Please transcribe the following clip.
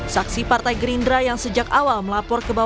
saksi partai gerindra yang sejak awal melakukan penyelenggaraan